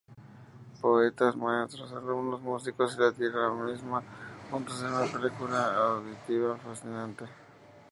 Poetas, maestros, alumnos, músicos, y la tierra misma, juntos en una película auditiva fascinante.